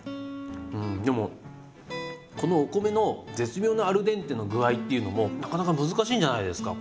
うんでもこのお米の絶妙なアルデンテの具合っていうのもなかなか難しいんじゃないんですか？